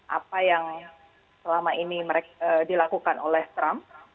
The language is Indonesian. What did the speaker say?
apa yang selama ini dilakukan oleh trump